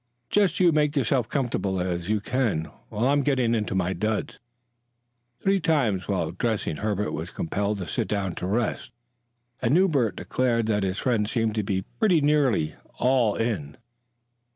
Just you make yourself comfortable as you can while I'm getting into my duds." Three times while dressing Herbert was compelled to sit down to rest, and Newbert declared that his friend seemed to be pretty nearly "all in."